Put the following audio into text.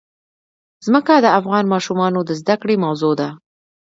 ځمکه د افغان ماشومانو د زده کړې موضوع ده.